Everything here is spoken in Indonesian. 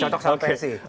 cocok sampai sih